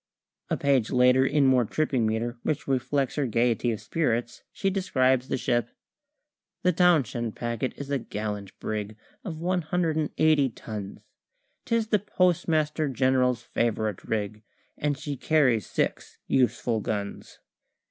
A page later, in more tripping metre (which reflects her gaiety of spirits), she describes the ship "The Townshend Packet is a gallant brig Of one hundred and eighty tons; 'Tis the Postmaster General's favourite rig, And she carries six useful guns.